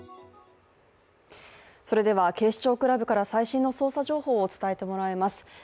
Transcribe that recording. それでは警視庁クラブから最新の捜査情報を伝えてもらいます。